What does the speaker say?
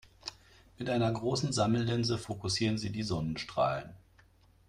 Mit einer großen Sammellinse fokussieren sie die Sonnenstrahlen.